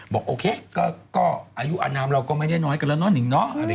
บอกโอเคก็อายุอนามเราก็ไม่ได้น้อยกันแล้วเนาะนิงเนาะ